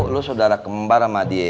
lu saudara kembar sama dia